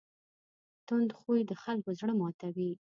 تند خوی د خلکو زړه ماتوي.